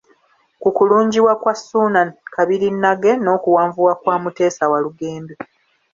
Ku kulungiwa kwa Ssuuna Kabirinnage n'okuwanvuwa kwa Mutesa Walugembe.